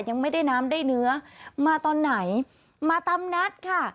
ยังไม่ได้น้ำได้เนื้อมาตอนไหนมาตามนัดค่ะ